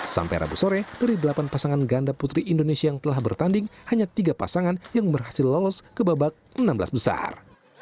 sampai rabu sore dari delapan pasangan ganda putri indonesia yang telah bertanding hanya tiga pasangan yang berhasil lolos ke babak enam belas besar